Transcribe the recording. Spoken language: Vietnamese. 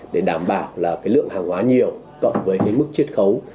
để đảm bảo lượng hàng hóa nhiều cộng với mức triết khấu